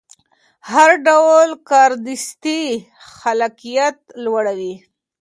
هر ډول کاردستي خلاقیت لوړوي.